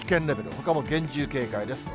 ほかも厳重警戒です。